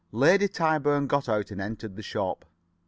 Lady Tyburn got out and entered the shop.